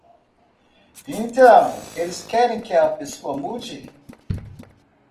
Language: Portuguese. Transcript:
E então eles querem que a pessoa mude.